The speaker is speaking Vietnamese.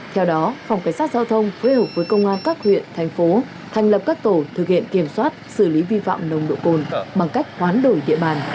theo đó phòng cảnh sát giao thông phối hợp với công an các huyện thành phố thành lập các tổ thực hiện kiểm soát xử lý vi phạm nồng độ cồn bằng cách hoán đổi địa bàn